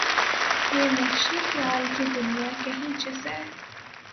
یہ محشرِ خیال کہ دنیا کہیں جسے